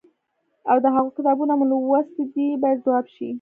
او د هغوی کتابونه مو لوستي دي باید ځواب شي.